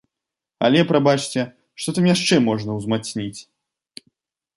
Але, прабачце, што там яшчэ можна ўзмацніць?